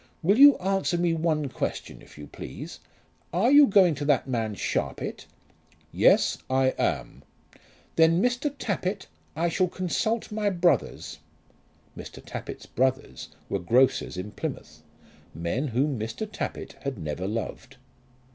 Will you answer me one question, if you please? Are you going to that man, Sharpit?" "Yes, I am." "Then, Mr. Tappitt, I shall consult my brothers." Mrs. Tappitt's brothers were grocers in Plymouth; men whom Mr. Tappitt had never loved.